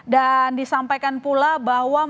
dan disampaikan pula bahwa masyarakatnya